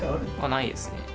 ないですね。